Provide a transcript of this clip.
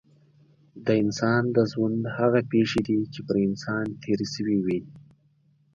د انسان د ژوند هغه پېښې دي چې په انسان تېرې شوې وي.